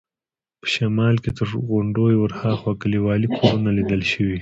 په شمال کې تر غونډیو ورهاخوا کلیوالي کورونه لیدل کېده.